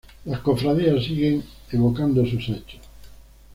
Las cofradías siguen evocando sus hechos.